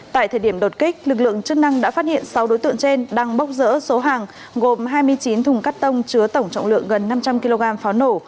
tại thời điểm đột kích lực lượng chức năng đã phát hiện sáu đối tượng trên đang bốc rỡ số hàng gồm hai mươi chín thùng cắt tông chứa tổng trọng lượng gần năm trăm linh kg pháo nổ